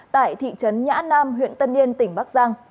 tại thị trấn nhã nam huyện tân yên tỉnh bắc giang